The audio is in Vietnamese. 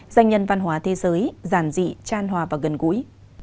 danh nhân văn hóa thế giới giản dị tràn hòa và gần gũi